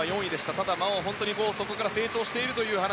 ただ、そこから成長しているという話。